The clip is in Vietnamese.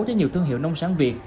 với nhiều thương hiệu nông sáng việt